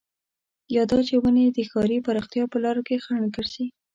يا دا چې ونې د ښاري پراختيا په لاره کې خنډ ګرځي.